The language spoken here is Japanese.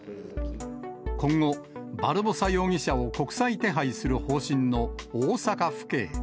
今後、バルボサ容疑者を国際手配する方針の大阪府警。